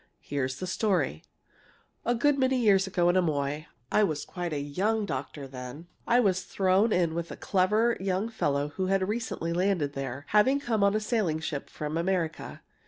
Here's the story: "A good many years ago in Amoy I was quite a young doctor then I was thrown in with a clever young fellow who had recently landed there, having come on a sailing ship from America.